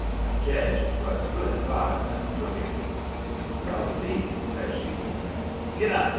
I jedged 'twas good advice, and took it. "Proceed," says she to the mare. "Git dap!"